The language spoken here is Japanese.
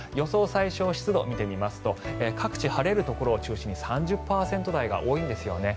最小湿度を見てみますと各地、晴れるところを中心に３０％台が多いんですね。